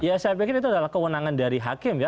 ya saya pikir itu adalah kewenangan dari hakim ya